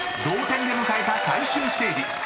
［同点で迎えた最終ステージ］